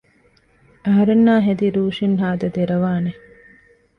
އަހަރެންނާހެދި ރޫޝިން ހާދަ ދެރަވާނެ